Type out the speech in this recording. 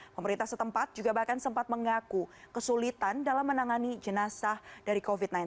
pemerintah setempat juga bahkan sempat mengaku kesulitan dalam menangani jenazah dari covid sembilan belas